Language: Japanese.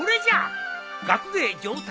学芸上達。